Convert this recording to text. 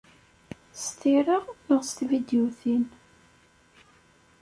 S tira neɣ s tvidyutin.